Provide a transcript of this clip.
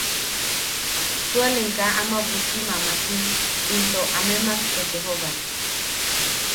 Tualem kaa ama butti mamachi, into amemak etejobae.